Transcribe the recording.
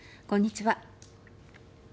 こんにちは。